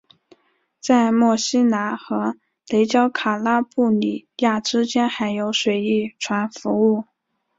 在墨西拿和雷焦卡拉布里亚之间还有水翼船服务。